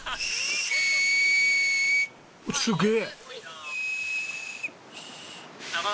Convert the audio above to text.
すげえ！